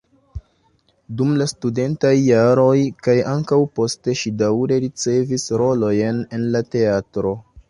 Dum la studentaj jaroj kaj ankaŭ poste ŝi daŭre ricevis rolojn en la teatro.